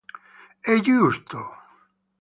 È giusto.